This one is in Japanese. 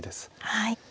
はい。